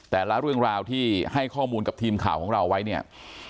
เรื่องราวที่ให้ข้อมูลกับทีมข่าวของเราไว้เนี่ย